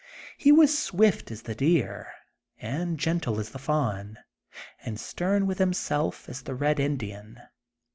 He was swift as the deer, alid gentle as the fawn, — and stem with himself, as the Bed Indian.